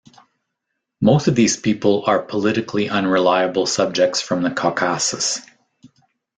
Most of these people are politically unreliable subjects from the Caucasus.